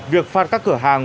việc phạt các cửa hàng